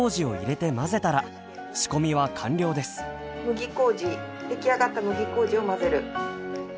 麦麹出来上がった麦麹を混ぜる。